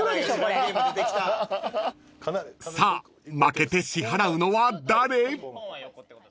［さあ負けて支払うのは誰？］